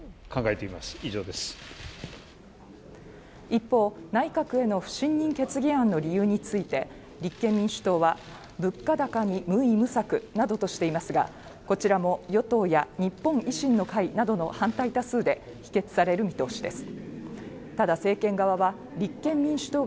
一方内閣への不信任決議案の理由について立憲民主党は物価高に無為無策などとしていますがこちらも与党や日本維新の会などの反対多数で否決される見通しです